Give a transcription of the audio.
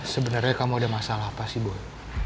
sebenarnya kamu ada masalah apa sih boy